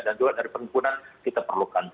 dan juga dari pengumpulan kita perlukan